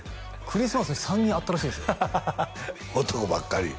クリスマスに３人会ったらしいですよ男ばっかり？